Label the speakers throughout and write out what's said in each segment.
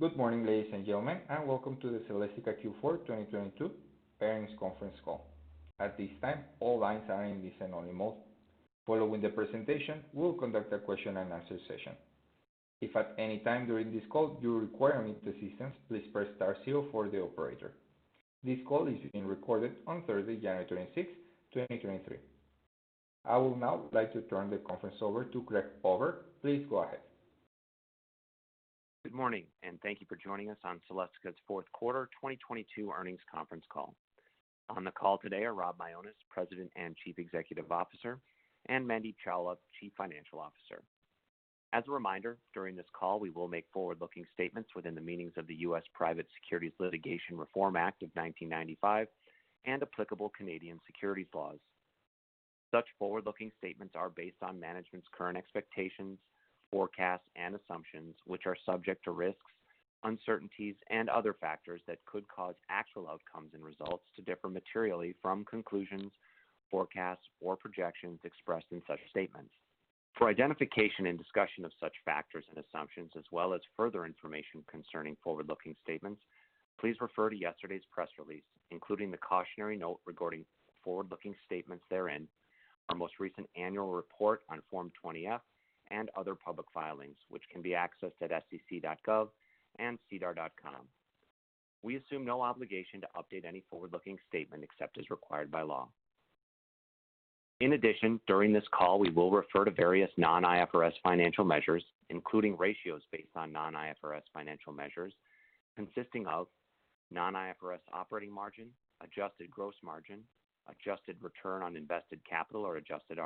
Speaker 1: Good morning, ladies and gentlemen, and welcome to the Celestica Q4 2022 Earnings Conference Call. At this time, all lines are in listen-only mode. Following the presentation, we'll conduct a Q&A session. If at any time during this call you require any assistance, please press star zero for the operator. This call is being recorded on Thursday, January 26th, 2023. I would now like to turn the conference over to Craig Oberg. Please go ahead.
Speaker 2: Good morning. Thank you for joining us on Celestica's Q4 2022 earnings conference call. On the call today are Rob Mionis, President and Chief Executive Officer, and Mandeep Chawla, Chief Financial Officer. As a reminder, during this call, we will make forward-looking statements within the meanings of the U.S. Private Securities Litigation Reform Act of 1995 and applicable Canadian securities laws. Such forward-looking statements are based on management's current expectations, forecasts, and assumptions, which are subject to risks, uncertainties, and other factors that could cause actual outcomes and results to differ materially from conclusions, forecasts, or projections expressed in such statements. For identification and discussion of such factors and assumptions, as well as further information concerning forward-looking statements, please refer to yesterday's press release, including the cautionary note regarding forward-looking statements therein, our most recent annual report on Form 20-F, and other public filings, which can be accessed at sec.gov and sedar.com. We assume no obligation to update any forward-looking statement except as required by law. In addition, during this call, we will refer to various non-IFRS financial measures, including ratios based on non-IFRS financial measures consisting of non-IFRS operating margin, adjusted gross margin, adjusted return on invested capital or adjusted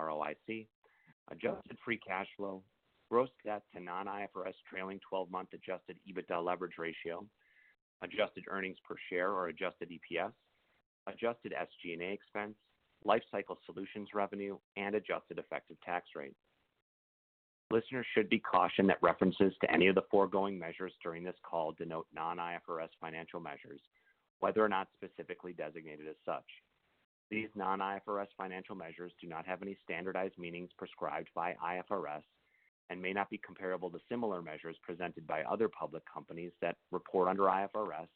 Speaker 2: ROIC, adjusted free cash flow, gross debt to non-IFRS trailing twelve-month adjusted EBITDA leverage ratio, adjusted earnings per share or adjusted EPS, adjusted SG&A expense, Lifecycle Solutions revenue, and adjusted effective tax rate. Listeners should be cautioned that references to any of the foregoing measures during this call denote non-IFRS financial measures, whether or not specifically designated as such. These non-IFRS financial measures do not have any standardized meanings prescribed by IFRS and may not be comparable to similar measures presented by other public companies that report under IFRS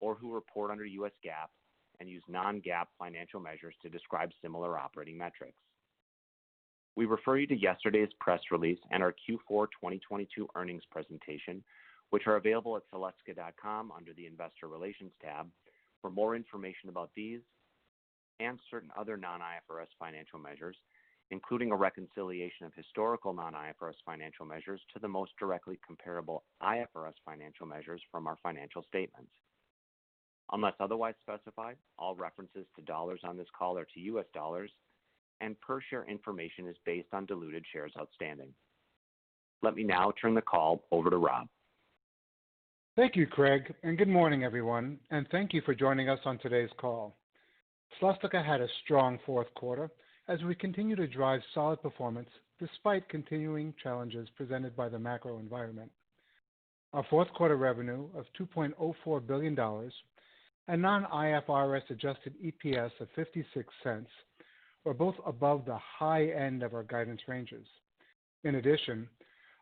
Speaker 2: or who report under U.S. GAAP and use non-GAAP financial measures to describe similar operating metrics. We refer you to yesterday's press release and our Q4 2022 earnings presentation, which are available at celestica.com under the Investor Relations tab. For more information about these and certain other non-IFRS financial measures, including a reconciliation of historical non-IFRS financial measures to the most directly comparable IFRS financial measures from our financial statements. Unless otherwise specified, all references to dollars on this call are to U.S. dollars, and per share information is based on diluted shares outstanding. Let me now turn the call over to Rob.
Speaker 3: Thank you, Craig. Good morning, everyone, and thank you for joining us on today's call. Celestica had a strong Q4 as we continue to drive solid performance despite continuing challenges presented by the macro environment. Our Q4 revenue of $2.04 billion and non-IFRS adjusted EPS of $0.56 were both above the high end of our guidance ranges. In addition,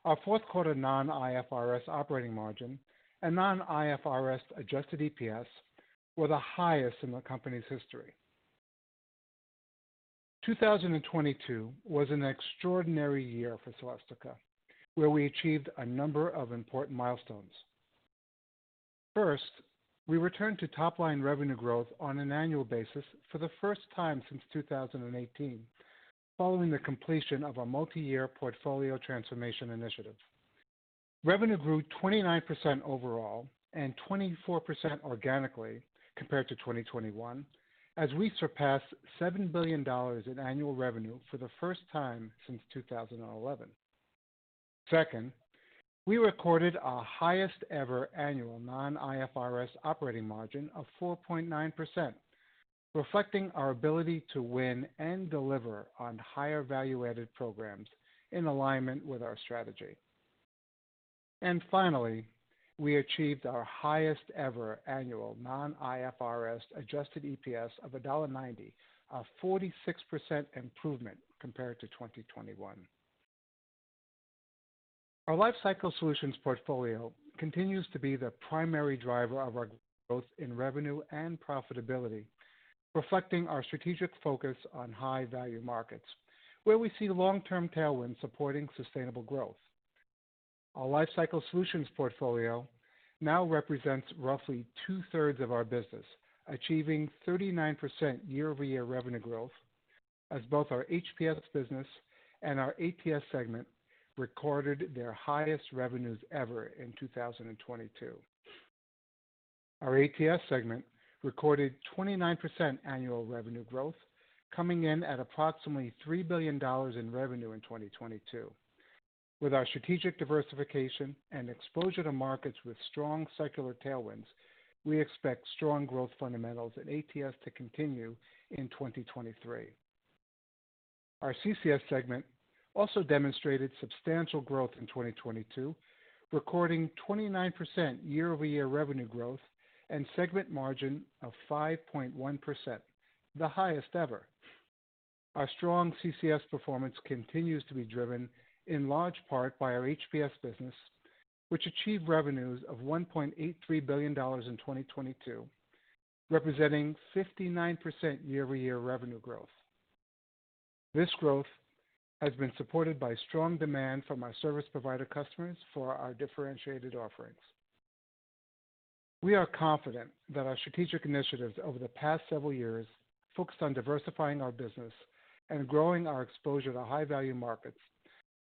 Speaker 3: our Q4 non-IFRS operating margin and non-IFRS adjusted EPS were the highest in the company's history. 2022 was an extraordinary year for Celestica, where we achieved a number of important milestones. First, we returned to top-line revenue growth on an annual basis for the first time since 2018, following the completion of a multi-year portfolio transformation initiative. Revenue grew 29% overall and 24% organically compared to 2021, as we surpassed $7 billion in annual revenue for the first time since 2011. Second, we recorded our highest ever annual non-IFRS operating margin of 4.9%, reflecting our ability to win and deliver on higher value-added programs in alignment with our strategy. Finally, we achieved our highest ever annual non-IFRS adjusted EPS of $1.90, a 46% improvement compared to 2021. Our Lifecycle Solutions portfolio continues to be the primary driver of our growth in revenue and profitability, reflecting our strategic focus on high-value markets, where we see long-term tailwinds supporting sustainable growth. Our Lifecycle Solutions portfolio now represents roughly two-thirds of our business, achieving 39% year-over-year revenue growth as both our HPS business and our ATS segment recorded their highest revenues ever in 2022. Our ATS segment recorded 29% annual revenue growth, coming in at approximately $3 billion in revenue in 2022. With our strategic diversification and exposure to markets with strong secular tailwinds, we expect strong growth fundamentals in ATS to continue in 2023. Our CCS segment also demonstrated substantial growth in 2022, recording 29% year-over-year revenue growth and segment margin of 5.1%, the highest ever. Our strong CCS performance continues to be driven in large part by our HPS business, which achieved revenues of $1.83 billion in 2022, representing 59% year-over-year revenue growth. This growth has been supported by strong demand from our service provider customers for our differentiated offerings. We are confident that our strategic initiatives over the past several years focused on diversifying our business and growing our exposure to high-value markets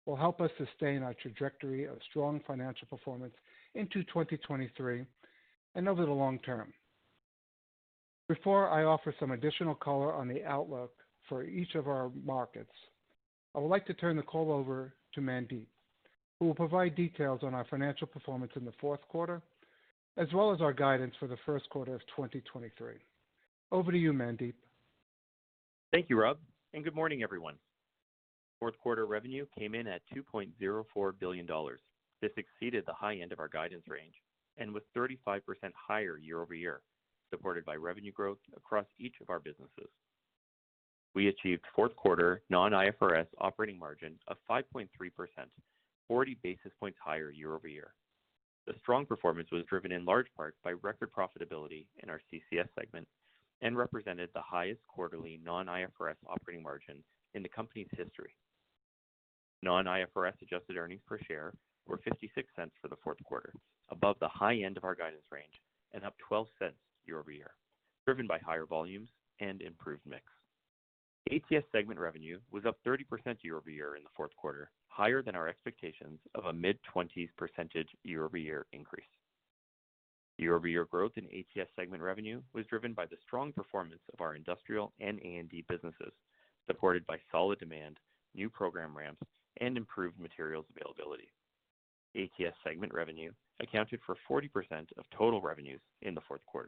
Speaker 3: will help us sustain our trajectory of strong financial performance into 2023 and over the long term. Before I offer some additional color on the outlook for each of our markets, I would like to turn the call over to Mandeep, who will provide details on our financial performance in the Q4 as well as our guidance for the Q1 of 2023. Over to you, Mandeep.
Speaker 4: Thank you, Rob, and good morning, everyone. Q4 revenue came in at $2.04 billion. This exceeded the high end of our guidance range and was 35% higher year-over-year, supported by revenue growth across each of our businesses. We achieved Q4 non-IFRS operating margin of 5.3%, 40 basis points higher year-over-year. The strong performance was driven in large part by record profitability in our CCS segment and represented the highest quarterly non-IFRS operating margin in the company's history. Non-IFRS adjusted earnings per share were $0.56 for the Q4, above the high end of our guidance range and up $0.12 year-over-year, driven by higher volumes and improved mix. ATS segment revenue was up 30% year-over-year in the Q4, higher than our expectations of a mid-20s% year-over-year increase. Year-over-year growth in ATS segment revenue was driven by the strong performance of our industrial and A&D businesses, supported by solid demand, new program ramps, and improved materials availability. ATS segment revenue accounted for 40% of total revenues in the Q4.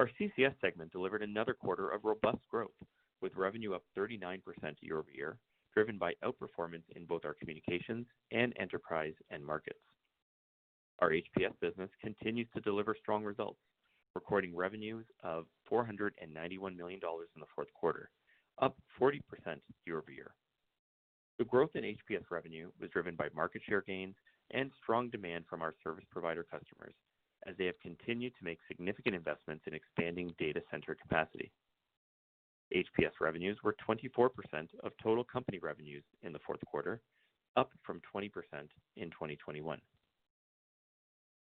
Speaker 4: Our CCS segment delivered another quarter of robust growth, with revenue up 39% year-over-year, driven by outperformance in both our communications and enterprise end markets. Our HPS business continues to deliver strong results, recording revenues of $491 million in the Q4, up 40% year-over-year. The growth in HPS revenue was driven by market share gains and strong demand from our service provider customers as they have continued to make significant investments in expanding data center capacity. HPS revenues were 24% of total company revenues in the Q4, up from 20% in 2021.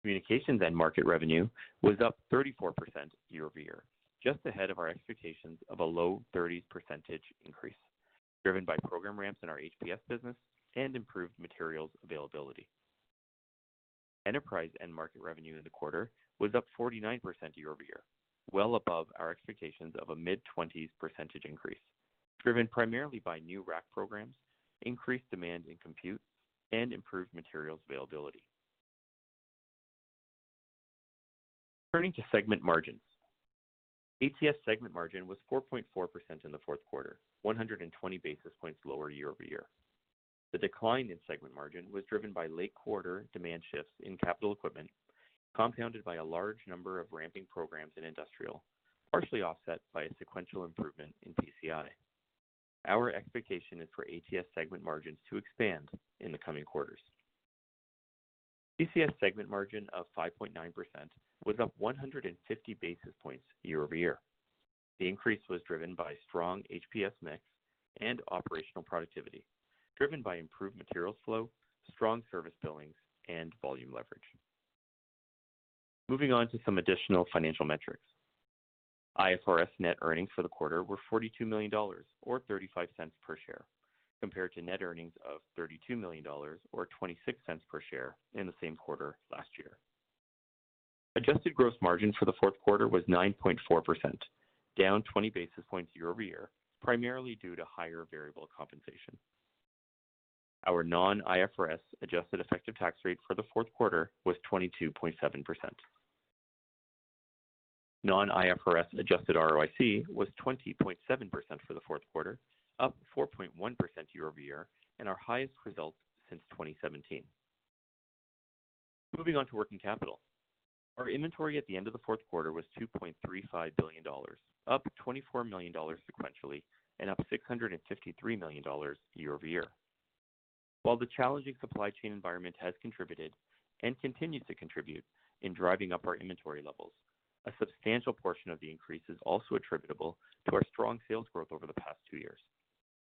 Speaker 4: Communications end market revenue was up 34% year-over-year, just ahead of our expectations of a low 30s percentage increase, driven by program ramps in our HPS business and improved materials availability. Enterprise end market revenue in the quarter was up 49% year-over-year, well above our expectations of a mid-20s percentage increase, driven primarily by new rack programs, increased demand in compute, and improved materials availability. Turning to segment margins. ATS segment margin was 4.4% in the Q4, 120 basis points lower year-over-year. The decline in segment margin was driven by late quarter demand shifts in capital equipment, compounded by a large number of ramping programs in industrial, partially offset by a sequential improvement in PCI. Our expectation is for ATS segment margins to expand in the coming quarters. CCS segment margin of 5.9% was up 150 basis points year-over-year. The increase was driven by strong HPS mix and operational productivity driven by improved material flow, strong service billings, and volume leverage. Moving on to some additional financial metrics. IFRS net earnings for the quarter were $42 million or $0.35 per share, compared to net earnings of $32 million or $0.26 per share in the same quarter last year. Adjusted gross margin for the Q4 was 9.4%, down 20 basis points year-over-year, primarily due to higher variable compensation. Our non-IFRS adjusted effective tax rate for the Q4 was 22.7%. Non-IFRS adjusted ROIC was 20.7% for the Q4, up 4.1% year-over-year and our highest result since 2017. Moving on to working capital. Our inventory at the end of the Q4 was $2.35 billion, up $24 million sequentially and up $653 million year-over-year. While the challenging supply chain environment has contributed and continues to contribute in driving up our inventory levels, a substantial portion of the increase is also attributable to our strong sales growth over the past two years.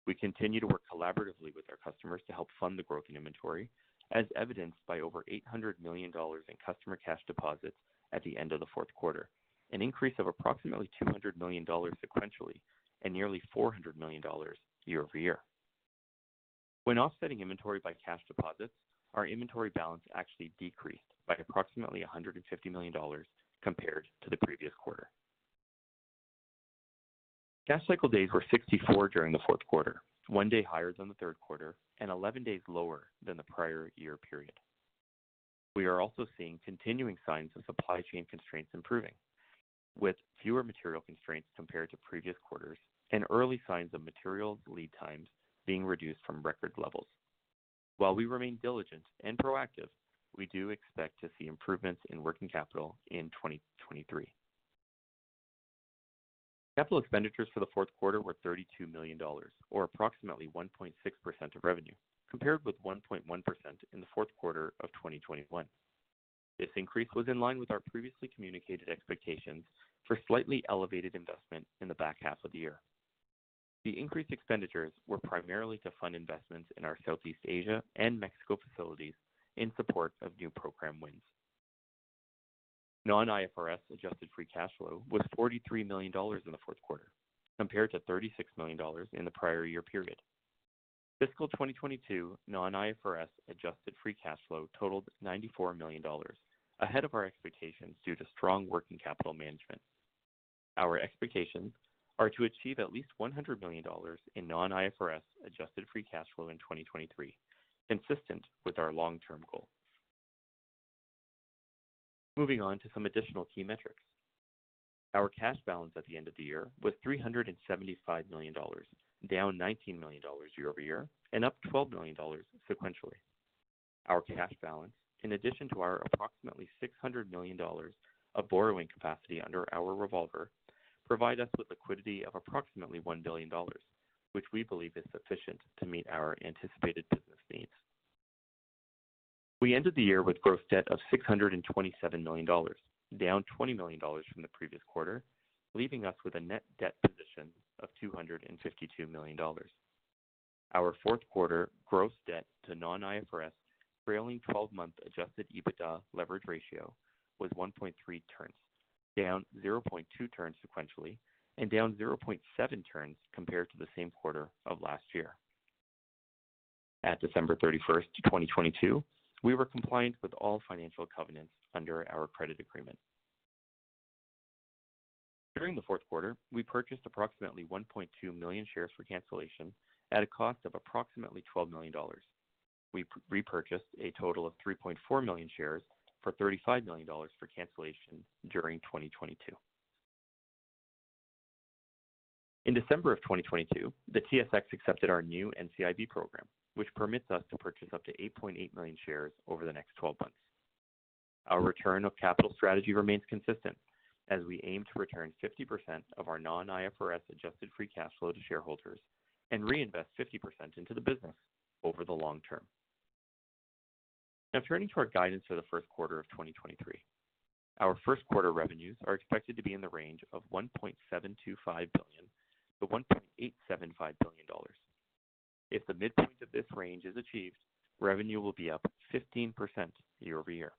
Speaker 4: We continue to work collaboratively with our customers to help fund the growth in inventory, as evidenced by over $800 million in customer cash deposits at the end of the Q4, an increase of approximately $200 million sequentially and nearly $400 million year-over-year. When offsetting inventory by cash deposits, our inventory balance actually decreased by approximately $150 million compared to the previous quarter. Cash cycle days were 64 during the Q4, one day higher than the Q3 and 11 days lower than the prior year period. We are also seeing continuing signs of supply chain constraints improving, with fewer material constraints compared to previous quarters and early signs of materials lead times being reduced from record levels. While we remain diligent and proactive, we do expect to see improvements in working capital in 2023. Capital expenditures for the Q4 were $32 million, or approximately 1.6% of revenue, compared with 1.1% in the Q4 of 2021. This increase was in line with our previously communicated expectations for slightly elevated investment in the back half of the year. The increased expenditures were primarily to fund investments in our Southeast Asia and Mexico facilities in support of new program wins. Non-IFRS adjusted free cash flow was $43 million in the Q4, compared to $36 million in the prior year period. Fiscal 2022 non-IFRS adjusted free cash flow totaled $94 million, ahead of our expectations due to strong working capital management. Our expectations are to achieve at least $100 million in non-IFRS adjusted free cash flow in 2023, consistent with our long-term goal. Moving on to some additional key metrics. Our cash balance at the end of the year was $375 million, down $19 million year-over-year and up $12 million sequentially. Our cash balance, in addition to our approximately $600 million of borrowing capacity under our revolver, provide us with liquidity of approximately $1 billion, which we believe is sufficient to meet our anticipated business needs. We ended the year with gross debt of $627 million, down $20 million from the previous quarter, leaving us with a net debt position of $252 million. Our Q4 gross debt to non-IFRS trailing twelve-month adjusted EBITDA leverage ratio was 1.3 turns, down 0.2 turns sequentially and down 0.7 turns compared to the same quarter of last year. At December 31st, 2022, we were compliant with all financial covenants under our credit agreement. During the Q4, we purchased approximately 1.2 million shares for cancellation at a cost of approximately $12 million. We repurchased a total of 3.4 million shares for $35 million for cancellation during 2022. In December of 2022, the TSX accepted our new NCIB program, which permits us to purchase up to 8.8 million shares over the next 12 months. Our return of capital strategy remains consistent as we aim to return 50% of our non-IFRS adjusted free cash flow to shareholders and reinvest 50% into the business over the long term. Turning to our guidance for the Q1 of 2023. Our Q1 revenues are expected to be in the range of $1.725 billion to $1.875 billion. If the midpoint of this range is achieved, revenue will be up 15% year-over-year.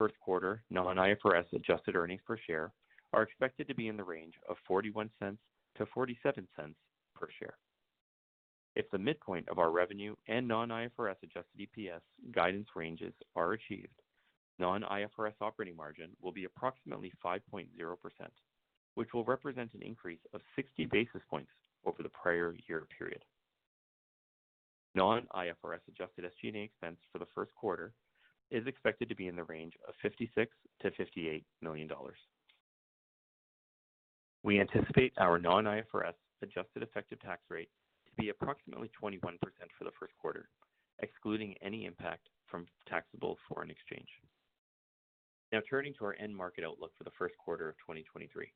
Speaker 4: Q1 non-IFRS adjusted earnings per share are expected to be in the range of $0.41 to $0.47 per share. If the midpoint of our revenue and non-IFRS adjusted EPS guidance ranges are achieved, non-IFRS operating margin will be approximately 5.0%, which will represent an increase of 60 basis points over the prior year period. Non-IFRS adjusted SG&A expense for the Q1 is expected to be in the range of $56 million to $58 million. We anticipate our non-IFRS adjusted effective tax rate to be approximately 21% for the Q1, excluding any impact from taxable foreign exchange. Now turning to our end market outlook for the Q1 of 2023.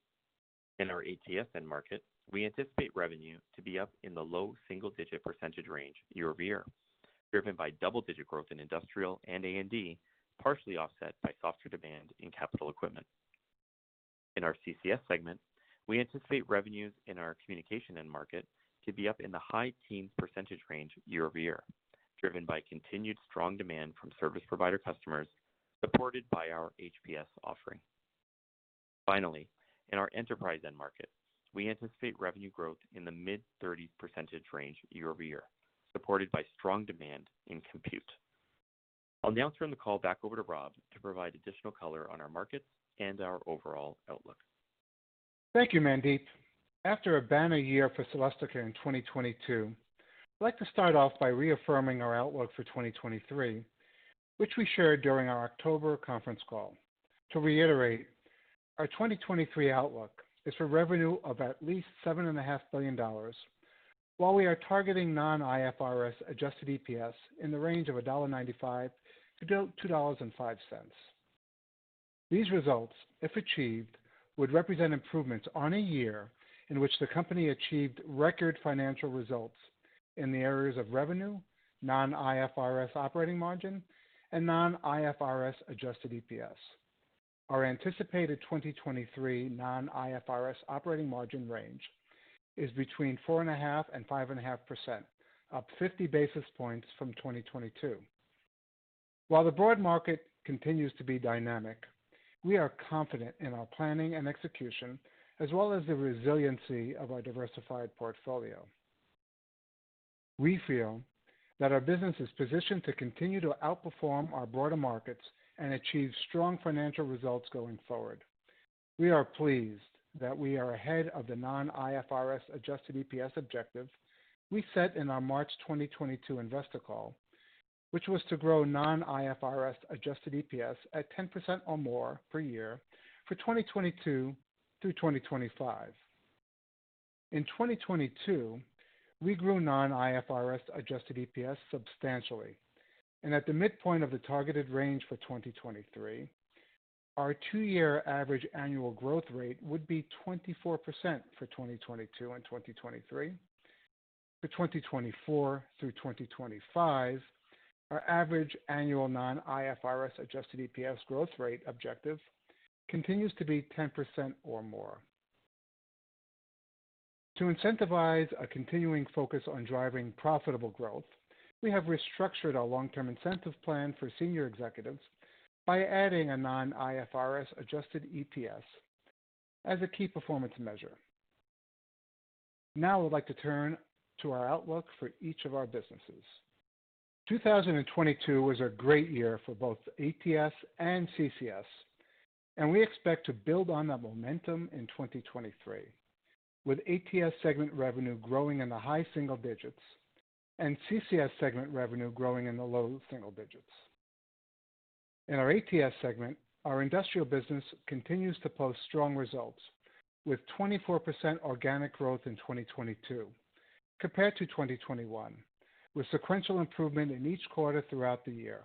Speaker 4: In our ATS end market, we anticipate revenue to be up in the low single-digit % range year-over-year, driven by double-digit growth in industrial and A&D, partially offset by softer demand in capital equipment. In our CCS segment, we anticipate revenues in our communication end market to be up in the high teens % range year-over-year, driven by continued strong demand from service provider customers supported by our HPS offering. Finally, in our enterprise end market, we anticipate revenue growth in the mid-30s % range year-over-year, supported by strong demand in compute. I'll now turn the call back over to Rob to provide additional color on our markets and our overall outlook.
Speaker 3: Thank you, Mandeep. After a banner year for Celestica in 2022, I'd like to start off by reaffirming our outlook for 2023, which we shared during our October conference call. To reiterate, our 2023 outlook is for revenue of at least $7.5 billion, while we are targeting non-IFRS adjusted EPS in the range of $1.95 to $2.05. These results, if achieved, would represent improvements on a year in which the company achieved record financial results in the areas of revenue, non-IFRS operating margin, and non-IFRS adjusted EPS. Our anticipated 2023 non-IFRS operating margin range is between 4.5% and 5.5%, up 50 basis points from 2022. While the broad market continues to be dynamic, we are confident in our planning and execution, as well as the resiliency of our diversified portfolio. We feel that our business is positioned to continue to outperform our broader markets and achieve strong financial results going forward. We are pleased that we are ahead of the non-IFRS adjusted EPS objective we set in our March 2022 investor call, which was to grow non-IFRS adjusted EPS at 10% or more per year for 2022 through 2025. In 2022, we grew non-IFRS adjusted EPS substantially. At the midpoint of the targeted range for 2023, our two-year average annual growth rate would be 24% for 2022 and 2023. For 2024 through 2025, our average annual non-IFRS adjusted EPS growth rate objective continues to be 10% or more. To incentivize a continuing focus on driving profitable growth, we have restructured our long-term incentive plan for senior executives by adding a non-IFRS adjusted EPS as a key performance measure. I'd like to turn to our outlook for each of our businesses. 2022 was a great year for both ATS and CCS. We expect to build on that momentum in 2023, with ATS segment revenue growing in the high single digits and CCS segment revenue growing in the low single digits. In our ATS segment, our industrial business continues to post strong results with 24% organic growth in 2022 compared to 2021, with sequential improvement in each quarter throughout the year.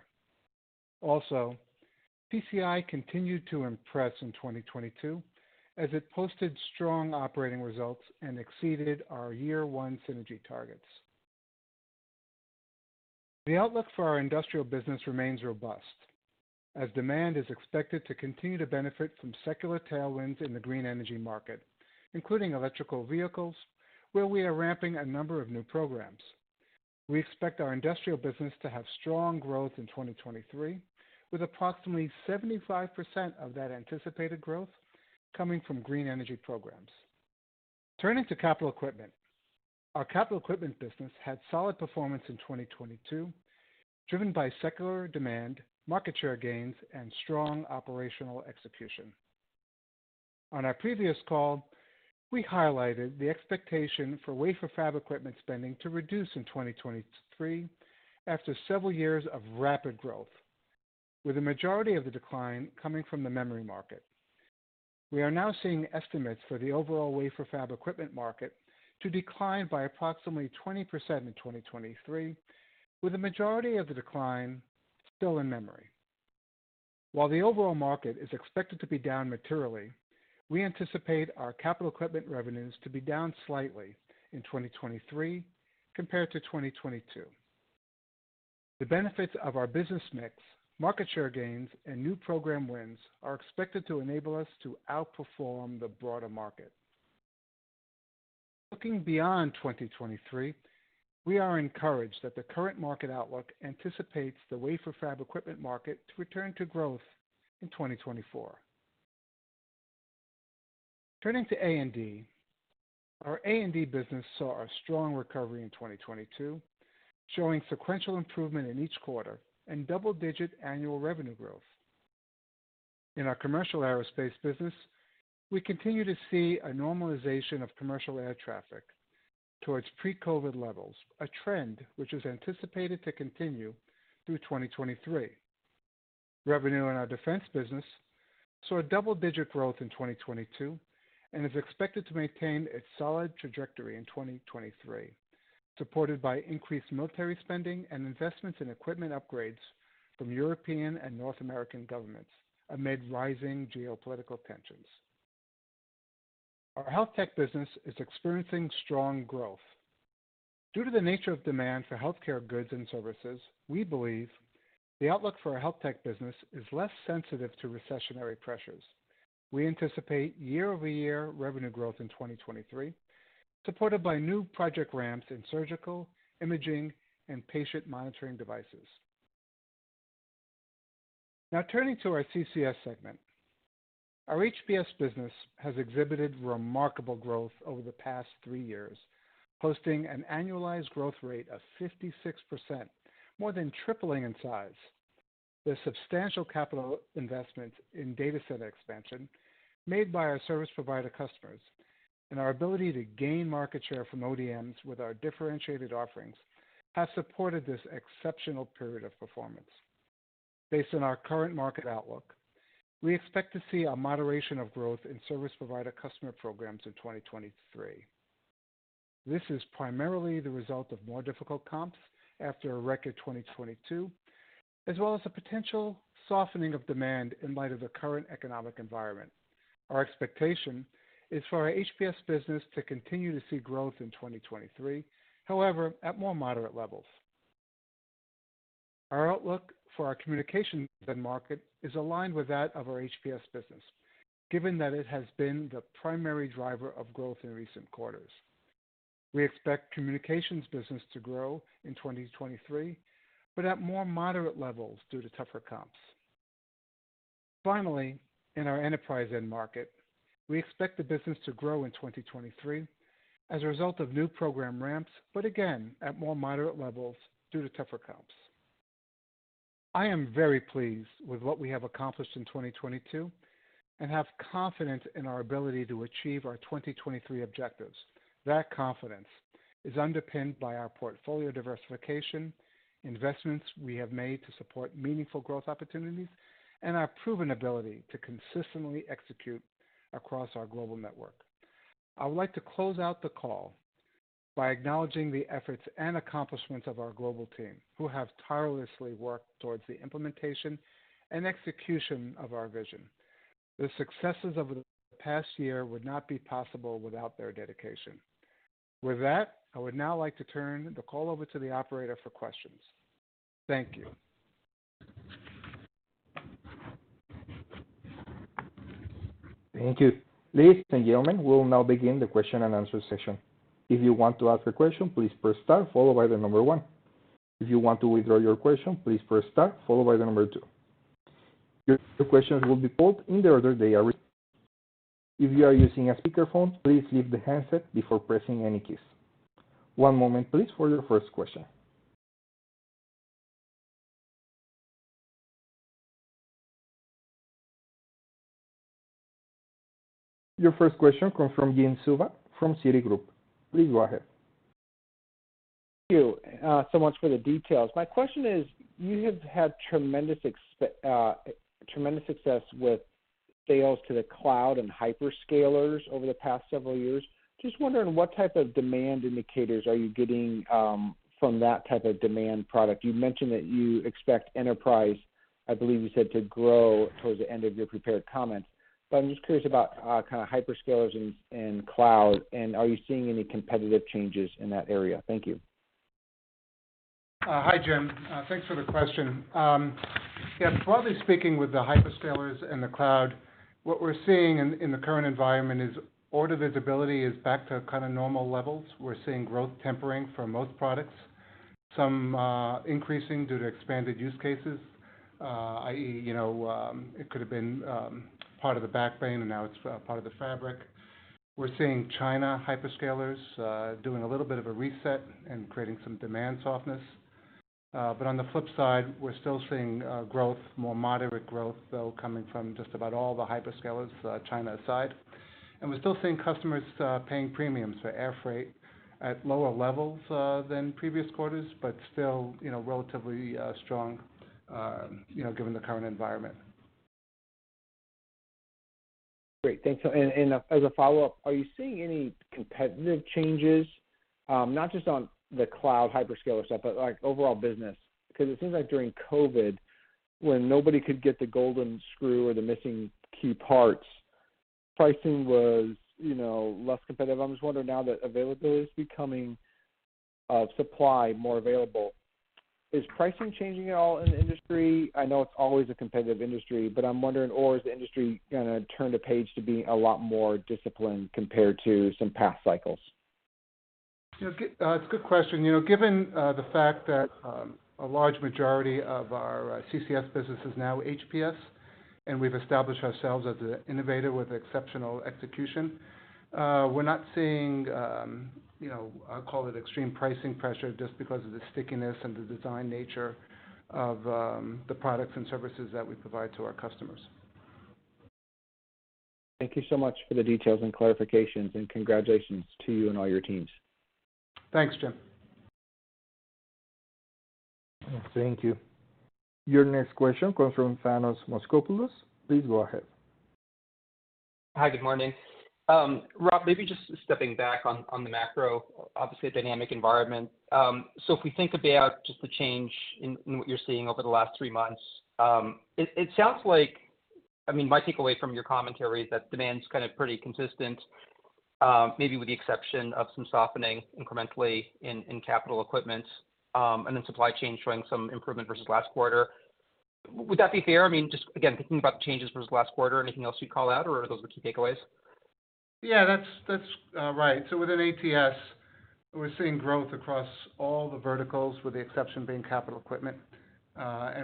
Speaker 3: PCI continued to impress in 2022 as it posted strong operating results and exceeded our year one synergy targets. The outlook for our industrial business remains robust as demand is expected to continue to benefit from secular tailwinds in the green energy market, including electrical vehicles, where we are ramping a number of new programs. We expect our industrial business to have strong growth in 2023, with approximately 75% of that anticipated growth coming from green energy programs. Turning to capital equipment. Our capital equipment business had solid performance in 2022, driven by secular demand, market share gains, and strong operational execution. On our previous call, we highlighted the expectation for wafer fab equipment spending to reduce in 2023 after several years of rapid growth, with the majority of the decline coming from the memory market. We are now seeing estimates for the overall wafer fab equipment market to decline by approximately 20% in 2023, with the majority of the decline still in memory. While the overall market is expected to be down materially, we anticipate our capital equipment revenues to be down slightly in 2023 compared to 2022. The benefits of our business mix, market share gains, and new program wins are expected to enable us to outperform the broader market. Looking beyond 2023, we are encouraged that the current market outlook anticipates the wafer fab equipment market to return to growth in 2024. Turning to A&D. Our A&D business saw a strong recovery in 2022, showing sequential improvement in each quarter and double-digit annual revenue growth. In our commercial aerospace business, we continue to see a normalization of commercial air traffic towards pre-COVID levels, a trend which is anticipated to continue through 2023. Revenue in our defense business saw a double-digit growth in 2022 and is expected to maintain its solid trajectory in 2023, supported by increased military spending and investments in equipment upgrades from European and North American governments amid rising geopolitical tensions. Our HealthTech business is experiencing strong growth. Due to the nature of demand for healthcare goods and services, we believe the outlook for our HealthTech business is less sensitive to recessionary pressures. We anticipate year-over-year revenue growth in 2023, supported by new project ramps in surgical, imaging, and patient monitoring devices. Turning to our CCS segment. Our HPS business has exhibited remarkable growth over the past three years, posting an annualized growth rate of 56%, more than tripling in size. The substantial capital investment in data center expansion made by our service provider customers and our ability to gain market share from ODMs with our differentiated offerings has supported this exceptional period of performance. Based on our current market outlook, we expect to see a moderation of growth in service provider customer programs in 2023. This is primarily the result of more difficult comps after a record 2022, as well as a potential softening of demand in light of the current economic environment. Our expectation is for our HPS business to continue to see growth in 2023, however, at more moderate levels. Our outlook for our communications end market is aligned with that of our HPS business, given that it has been the primary driver of growth in recent quarters. We expect communications business to grow in 2023, but at more moderate levels due to tougher comps. In our enterprise end market, we expect the business to grow in 2023 as a result of new program ramps, but again at more moderate levels due to tougher comps. I am very pleased with what we have accomplished in 2022 and have confidence in our ability to achieve our 2023 objectives. That confidence is underpinned by our portfolio diversification, investments we have made to support meaningful growth opportunities, and our proven ability to consistently execute across our global network. I would like to close out the call by acknowledging the efforts and accomplishments of our global team, who have tirelessly worked towards the implementation and execution of our vision. The successes of the past year would not be possible without their dedication. With that, I would now like to turn the call over to the operator for questions. Thank you.
Speaker 1: Thank you. Ladies and gentlemen, we'll now begin the Q&A session. If you want to ask a question, please press star followed by one. If you want to withdraw your question, please press star followed by two. Your questions will be pulled in the order they are received. If you are using a speakerphone, please leave the handset before pressing any keys. One moment please for your first question. Your first question comes from Jim Suva from Citigroup. Please go ahead.
Speaker 5: Thank you, so much for the details. My question is, you have had tremendous success with sales to the cloud and hyperscalers over the past several years. Just wondering what type of demand indicators are you getting from that type of demand product. You mentioned that you expect enterprise, I believe you said, to grow towards the end of your prepared comments. I'm just curious about kind of hyperscalers and cloud, and are you seeing any competitive changes in that area? Thank you.
Speaker 3: Hi, Jim. Thanks for the question. Yeah, broadly speaking, with the hyperscalers and the cloud, what we're seeing in the current environment is order visibility is back to kind of normal levels. We're seeing growth tempering for most products. Some increasing due to expanded use cases, i.e., you know, it could have been part of the backplane and now it's part of the fabric. We're seeing China hyperscalers doing a little bit of a reset and creating some demand softness. On the flip side, we're still seeing growth, more moderate growth, though, coming from just about all the hyperscalers, China aside. We're still seeing customers paying premiums for air freight at lower levels than previous quarters, but still, you know, relatively strong, you know, given the current environment.
Speaker 5: Great. Thanks. As a follow-up, are you seeing any competitive changes, not just on the cloud hyperscaler stuff, but like overall business? It seems like during COVID, when nobody could get the golden screw or the missing key parts, pricing was, you know, less competitive. I'm just wondering now that availability is becoming supply more available, is pricing changing at all in the industry? I know it's always a competitive industry, but I'm wondering, or is the industry gonna turn the page to being a lot more disciplined compared to some past cycles?
Speaker 3: It's a good question. You know, given the fact that a large majority of our CCS business is now HPS, and we've established ourselves as an innovator with exceptional execution, we're not seeing, you know, I'll call it extreme pricing pressure just because of the stickiness and the design nature of the products and services that we provide to our customers.
Speaker 5: Thank you so much for the details and clarifications. Congratulations to you and all your teams.
Speaker 3: Thanks, Jim.
Speaker 1: Thank you. Your next question comes from Thanos Moschopoulos. Please go ahead.
Speaker 6: Hi. Good morning. Rob, maybe just stepping back on the macro, obviously a dynamic environment. If we think about just the change in what you're seeing over the last three months, I mean, my takeaway from your commentary is that demand's kind of pretty consistent, maybe with the exception of some softening incrementally in capital equipment, and then supply chain showing some improvement versus last quarter. Would that be fair? I mean, just again, thinking about the changes versus last quarter, anything else you'd call out, or are those the key takeaways?
Speaker 3: That's, that's right. Within ATS, we're seeing growth across all the verticals, with the exception being capital equipment.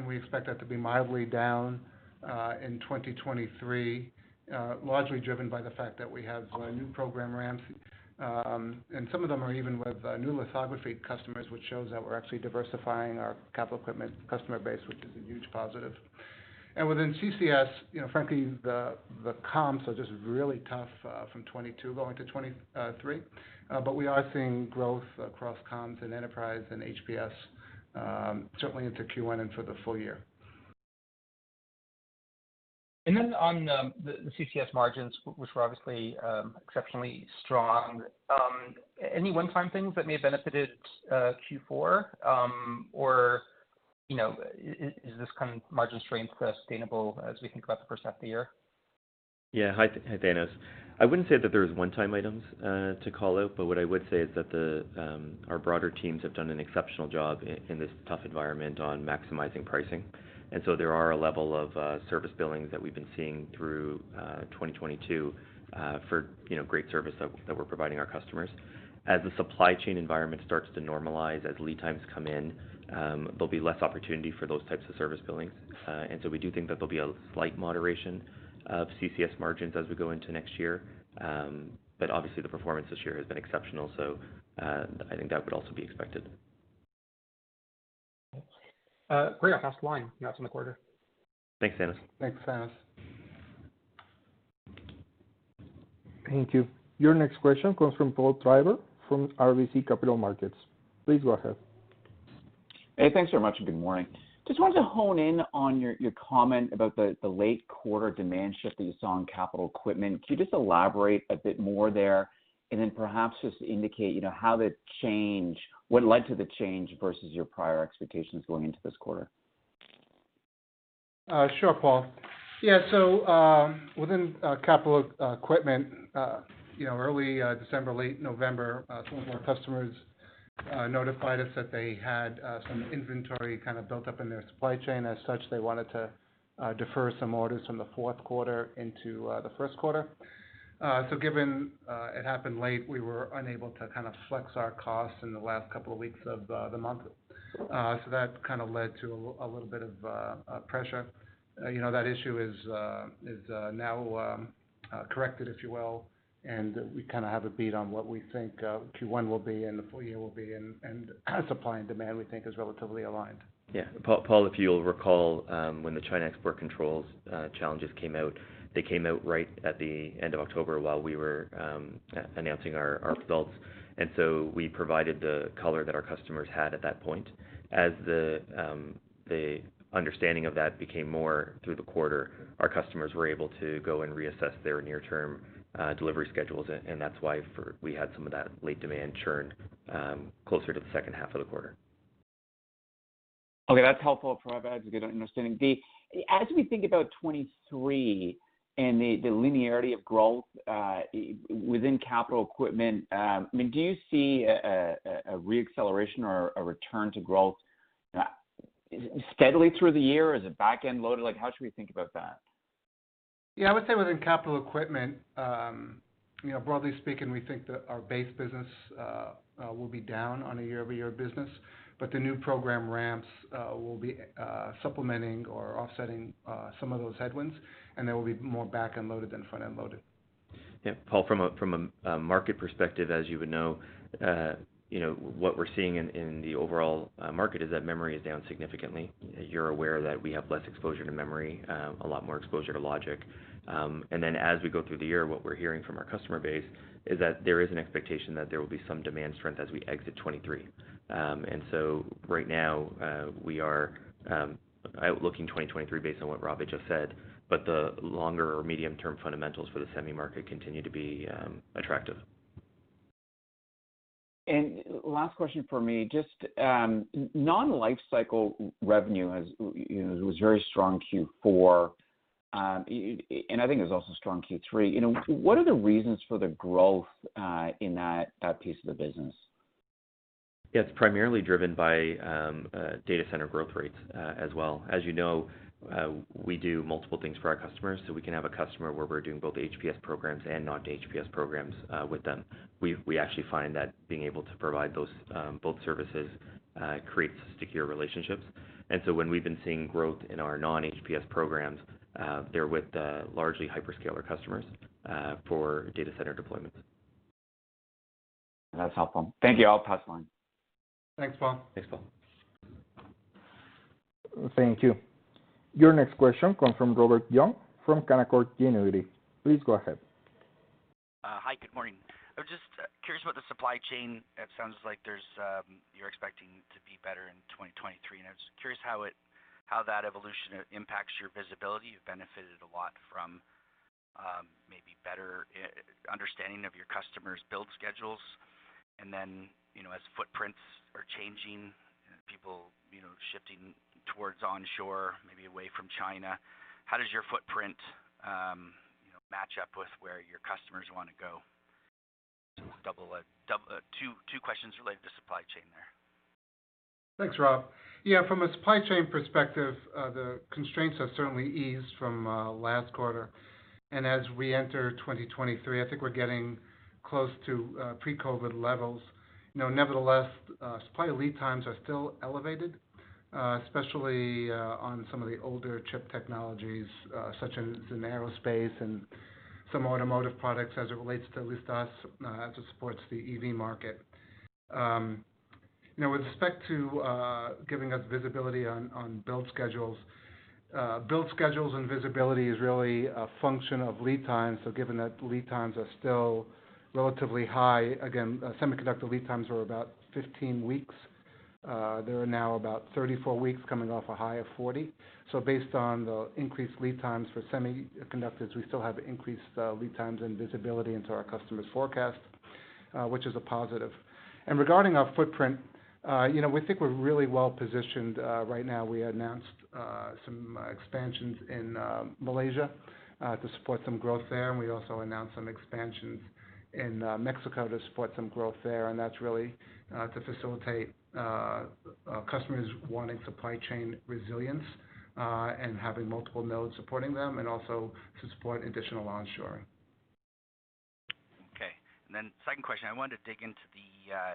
Speaker 3: We expect that to be mildly down in 2023, largely driven by the fact that we have new program ramps. Some of them are even with new lithography customers, which shows that we're actually diversifying our capital equipment customer base, which is a huge positive. Within CCS, you know, frankly, the comps are just really tough from 2022 going to 2023. We are seeing growth across comms and enterprise and HPS, certainly into Q1 and for the full year.
Speaker 6: On, the CCS margins, which were obviously, exceptionally strong, any one-time things that may have benefited, Q4? Or, you know, is this kind of margin strength sustainable as we think about the first half of the year?
Speaker 4: Yeah. Hi, Thanos. I wouldn't say that there's one-time items to call out, but what I would say is that the our broader teams have done an exceptional job in this tough environment on maximizing pricing. There are a level of service billings that we've been seeing through 2022 for, you know, great service that we're providing our customers. As the supply chain environment starts to normalize, as lead times come in, there'll be less opportunity for those types of service billings. We do think that there'll be a slight moderation of CCS margins as we go into next year. Obviously the performance this year has been exceptional, so I think that would also be expected.
Speaker 3: Great. I'll pass the line. That's in the quarter.
Speaker 4: Thanks, Thanos.
Speaker 3: Thanks, Thanos.
Speaker 1: Thank you. Your next question comes from Paul Treiber from RBC Capital Markets. Please go ahead.
Speaker 7: Hey, thanks very much. Good morning. Just want to hone in on your comment about the late quarter demand shift that you saw in capital equipment. Could you just elaborate a bit more there, and then perhaps just indicate, you know, what led to the change versus your prior expectations going into this quarter?
Speaker 3: Sure, Paul. Within capital equipment, you know, early December, late November, some of our customers notified us that they had some inventory kind of built up in their supply chain. They wanted to defer some orders from the Q4 into the Q1. Given it happened late, we were unable to kind of flex our costs in the last couple of weeks of the month. That kind of led to a little bit of pressure. You know, that issue is now corrected, if you will, and we kinda have a beat on what we think Q1 will be and the full year will be. Supply and demand, we think is relatively aligned.
Speaker 4: Yeah. Paul, if you'll recall, when the China export controls, challenges came out, they came out right at the end of October while we were announcing our results. We provided the color that our customers had at that point. As the understanding of that became more through the quarter, our customers were able to go and reassess their near-term delivery schedules and that's why we had some of that late demand churn closer to the second half of the quarter.
Speaker 7: Okay, that's helpful. Probably adds a good understanding. As we think about 2023 and the linearity of growth within capital equipment, I mean, do you see a re-acceleration or a return to growth steadily through the year? Is it back-end loaded? Like, how should we think about that?
Speaker 3: I would say within capital equipment, you know, broadly speaking, we think that our base business will be down on a year-over-year business, but the new program ramps will be supplementing or offsetting some of those headwinds, and they will be more back-end loaded than front-end loaded.
Speaker 4: Yeah, Paul, from a market perspective, as you would know, what we're seeing in the overall market is that memory is down significantly. You're aware that we have less exposure to memory, a lot more exposure to logic. As we go through the year, what we're hearing from our customer base is that there is an expectation that there will be some demand strength as we exit 2023. Right now, we are outlooking 2023 based on what Rob has just said, the longer or medium-term fundamentals for the semi market continue to be attractive.
Speaker 7: Last question for me, just, non-lifecycle revenue has, you know, was very strong in Q4, and I think it was also strong in Q3. You know, what are the reasons for the growth, in that piece of the business?
Speaker 4: Yeah. It's primarily driven by data center growth rates as well. As you know, we do multiple things for our customers, so we can have a customer where we're doing both HPS programs and non-HPS programs with them. We actually find that being able to provide those both services creates secure relationships. When we've been seeing growth in our non-HPS programs, they're with the largely hyperscaler customers for data center deployments.
Speaker 7: That's helpful. Thank you. I'll pass the line.
Speaker 3: Thanks, Paul.
Speaker 4: Thanks, Paul.
Speaker 1: Thank you. Your next question comes from Robert Young from Canaccord Genuity. Please go off ahead.
Speaker 8: Hi. Good morning. I'm just curious about the supply chain. It sounds like there's you're expecting to be better in 2023, and I was just curious how that evolution impacts your visibility. You've benefited a lot from maybe better understanding of your customers' build schedules. You know, as footprints are changing, people, you know, shifting towards onshore, maybe away from China, how does your footprint, you know, match up with where your customers wanna go? Two questions related to supply chain there.
Speaker 3: Thanks, Rob. Yeah, from a supply chain perspective, the constraints have certainly eased from last quarter. As we enter 2023, I think we're getting close to pre-COVID levels. You know, nevertheless, supply lead times are still elevated, especially on some of the older chip technologies, such as in aerospace and some automotive products as it relates to, at least us, as it supports the EV market. You know, with respect to giving us visibility on build schedules, build schedules and visibility is really a function of lead time. Given that lead times are still relatively high, again, semiconductor lead times were about 15 weeks. They are now about 34 weeks coming off a high of 40. Based on the increased lead times for semiconductors, we still have increased lead times and visibility into our customers' forecast, which is a positive. Regarding our footprint, you know, we think we're really well-positioned right now. We announced some expansions in Malaysia to support some growth there, and we also announced some expansions in Mexico to support some growth there. That's really to facilitate customers wanting supply chain resilience and having multiple nodes supporting them, and also to support additional onshoring.
Speaker 8: Okay. Second question, I wanted to dig into the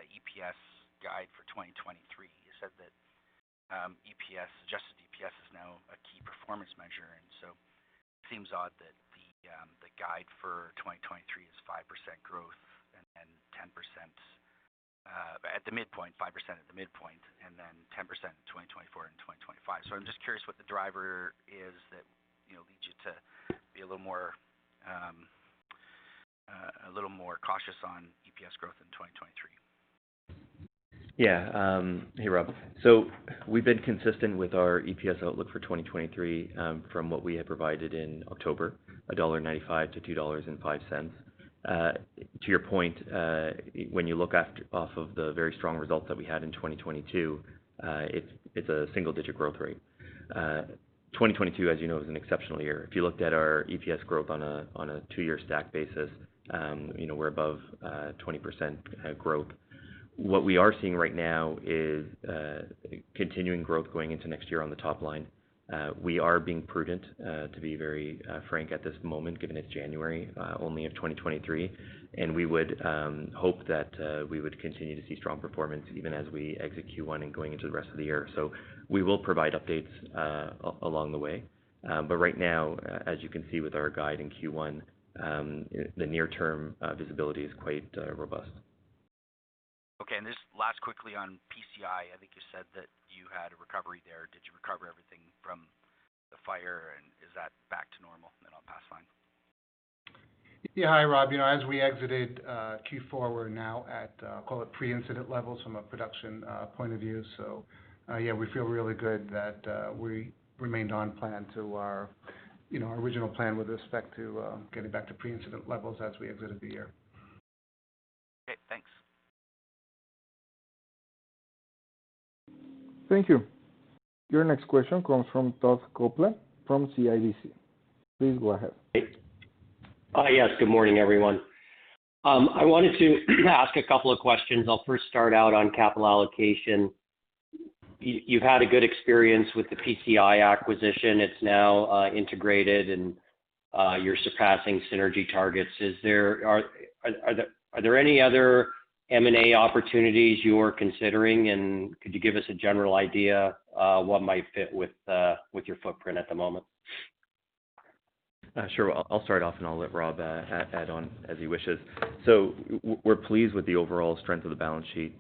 Speaker 8: EPS guide for 2023. You said that EPS adjusted-Performance measure. It seems odd that the guide for 2023 is 5% growth and then 10% at the midpoint, 5% at the midpoint, and then 10% in 2024 and 2025. I'm just curious what the driver is that, you know, leads you to be a little more cautious on EPS growth in 2023.
Speaker 4: Hey, Rob. We've been consistent with our EPS outlook for 2023, from what we had provided in October, $1.95 to $2.05. To your point, when you look off of the very strong results that we had in 2022, it's a single-digit growth rate. 2022, as you know, was an exceptional year. If you looked at our EPS growth on a two-year stack basis, you know, we're above 20% growth. What we are seeing right now is continuing growth going into next year on the top line. We are being prudent, to be very frank at this moment, given it's January only of 2023. We would hope that we would continue to see strong performance even as we exit Q1 and going into the rest of the year. We will provide updates along the way. Right now, as you can see with our guide in Q1, the near term visibility is quite robust.
Speaker 8: Okay. Just last quickly on PCI, I think you said that you had a recovery there. Did you recover everything from the fire, and is that back to normal? I'll pass the line.
Speaker 3: Yeah. Hi, Rob. You know, as we exited, Q4, we're now at, call it pre-incident levels from a production, point of view. Yeah, we feel really good that we remained on plan to our, you know, original plan with respect to, getting back to pre-incident levels as we exited the year.
Speaker 8: Okay, thanks.
Speaker 1: Thank you. Your next question comes from Todd Coupland from CIBC. Please go ahead.
Speaker 9: Hi. Yes, good morning, everyone. I wanted to ask a couple of questions. I'll first start out on capital allocation. You've had a good experience with the PCI acquisition. It's now integrated and you're surpassing synergy targets. Are there any other M&A opportunities you're considering? Could you give us a general idea, what might fit with your footprint at the moment?
Speaker 4: Sure. I'll start off, and I'll let Rob add on as he wishes. We're pleased with the overall strength of the balance sheet.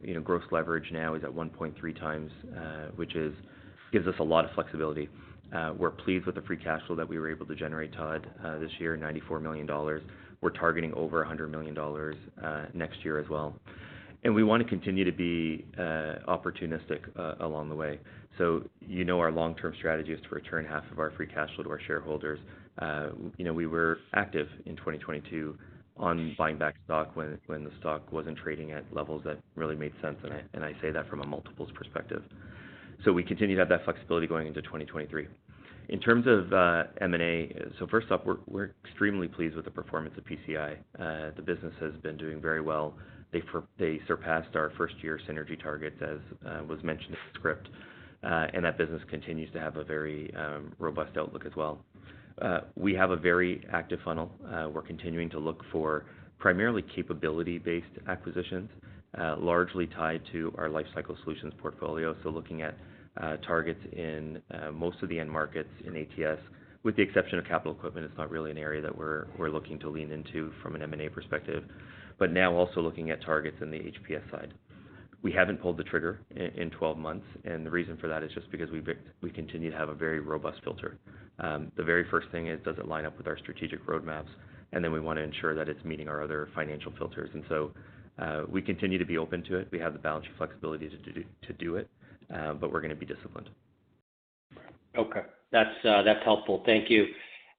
Speaker 4: you know, gross leverage now is at 1.3x, which gives us a lot of flexibility. We're pleased with the free cash flow that we were able to generate, Todd, this year, $94 million. We're targeting over $100 million next year as well. We wanna continue to be opportunistic along the way. you know our long-term strategy is to return half of our free cash flow to our shareholders. you know, we were active in 2022 on buying back stock when the stock wasn't trading at levels that really made sense, and I say that from a multiples perspective. We continue to have that flexibility going into 2023. In terms of M&A, first off, we're extremely pleased with the performance of PCI. The business has been doing very well. They surpassed our first-year synergy targets, as was mentioned in the script, that business continues to have a very robust outlook as well. We have a very active funnel. We're continuing to look for primarily capability-based acquisitions, largely tied to our Lifecycle Solutions portfolio. Looking at targets in most of the end markets in ATS, with the exception of capital equipment, it's not really an area that we're looking to lean into from an M&A perspective. Now also looking at targets in the HPS side. We haven't pulled the trigger in 12 months. The reason for that is just because we continue to have a very robust filter. The very first thing is, does it line up with our strategic roadmaps? We wanna ensure that it's meeting our other financial filters. We continue to be open to it. We have the balance of flexibility to do it, but we're gonna be disciplined.
Speaker 9: Okay. That's, that's helpful. Thank you.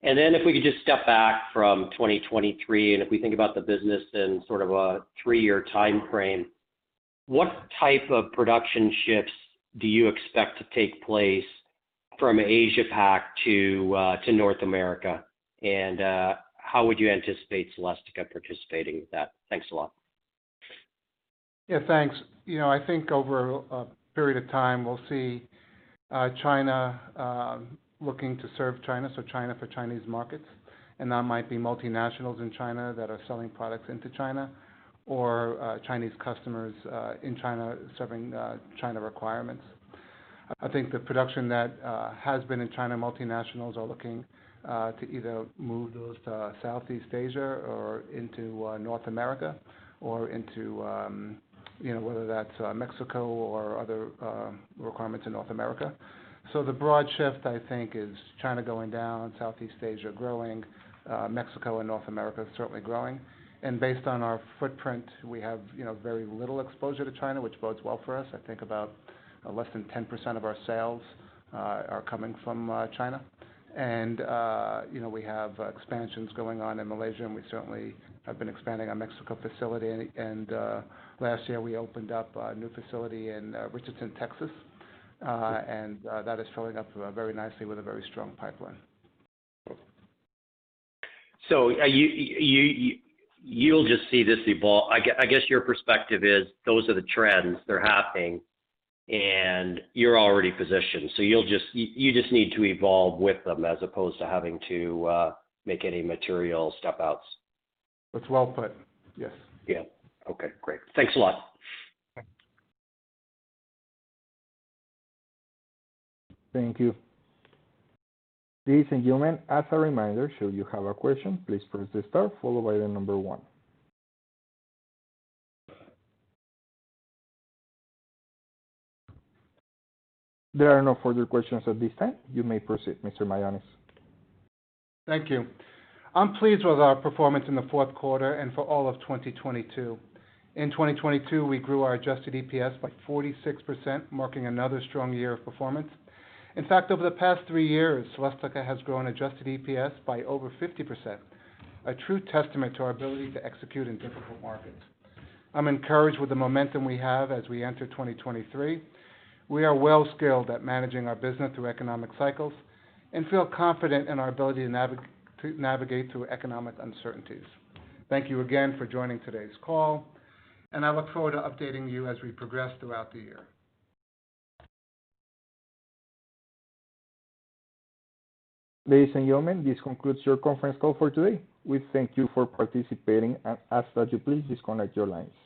Speaker 9: If we could just step back from 2023, and if we think about the business in sort of a 3-year timeframe, what type of production shifts do you expect to take place from Asia Pac to North America? How would you anticipate Celestica participating with that? Thanks a lot.
Speaker 3: Yeah, thanks. You know, I think over a period of time, we'll see China looking to serve China, so China for Chinese markets. That might be multinationals in China that are selling products into China or Chinese customers in China serving China requirements. I think the production that has been in China, multinationals are looking to either move those to Southeast Asia or into North America or into, you know, whether that's Mexico or other requirements in North America. The broad shift, I think, is China going down, Southeast Asia growing, Mexico and North America certainly growing. Based on our footprint, we have, you know, very little exposure to China, which bodes well for us. I think about less than 10% of our sales are coming from China. You know, we have expansions going on in Malaysia, and we certainly have been expanding our Mexico facility. Last year, we opened up a new facility in, Richardson, Texas, and, that is filling up, very nicely with a very strong pipeline.
Speaker 9: You'll just see this evolve. I guess your perspective is those are the trends that are happening and you're already positioned. You just need to evolve with them as opposed to having to make any material step outs.
Speaker 3: That's well put. Yes.
Speaker 9: Yeah. Okay, great. Thanks a lot.
Speaker 3: Thanks.
Speaker 1: Thank you. Ladies and gentlemen, as a reminder, should you have a question, please press star followed by one. There are no further questions at this time. You may proceed, Mr. Mionis.
Speaker 3: Thank you. I'm pleased with our performance in the Q4 and for all of 2022. In 2022, we grew our adjusted EPS by 46%, marking another strong year of performance. In fact, over the past three years, Celestica has grown adjusted EPS by over 50%, a true testament to our ability to execute in difficult markets. I'm encouraged with the momentum we have as we enter 2023. We are well skilled at managing our business through economic cycles and feel confident in our ability to navigate through economic uncertainties. Thank you again for joining today's call. I look forward to updating you as we progress throughout the year.
Speaker 1: Ladies and gentlemen, this concludes your conference call for today. We thank you for participating and ask that you please disconnect your lines.